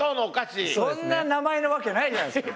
そんな名前なわけないじゃないですか。